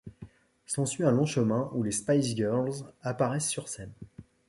S'ensuit un long chemin où les Spice Girls apparaissent sur scène.